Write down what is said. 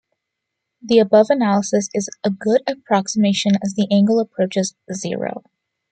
The above analysis is a good approximation as the angle approaches zero.